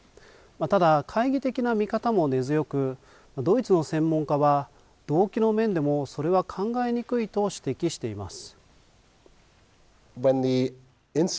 ただ、懐疑的な見方も根強く、ドイツの専門家は、動機の面でもそれは考えにくいと指摘しています。